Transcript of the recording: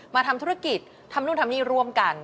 มาทำธุรกิจทำนู่นทำนี่ร่วมกัน